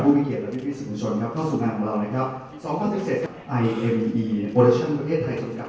ดีดีที่ได้เจอทุกคนนะครับผมอีกลำซอสค่ะ